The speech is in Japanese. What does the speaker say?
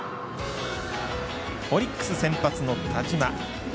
オリックス先発の田嶋。